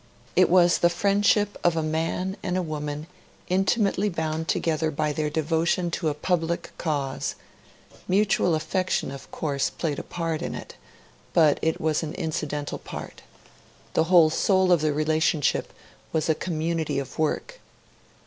It was the friendship of a man and a woman intimately bound together by their devotion to a public cause; mutual affection, of course, played a part in it, but it was an incidental part; the whole soul of the relationship was a community of work.